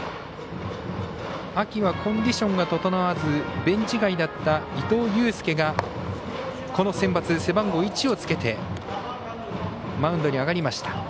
秋はコンディションが整わずベンチ外だった伊藤祐輔がこのセンバツ背番号１をつけてマウンドに上がりました。